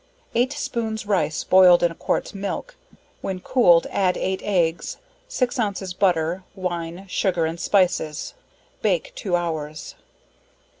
8 spoons rice boiled in a quarts milk, when cooled add 8 eggs, 6 ounces butter, wine, sugar and spices, q: s: bake 2 hours.